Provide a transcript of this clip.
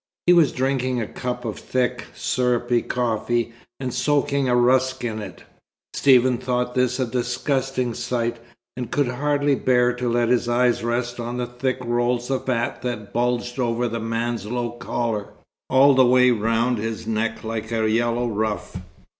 He was drinking a cup of thick, syrupy coffee, and soaking a rusk in it. Stephen thought this a disgusting sight, and could hardly bear to let his eyes rest on the thick rolls of fat that bulged over the man's low collar, all the way round his neck like a yellow ruff.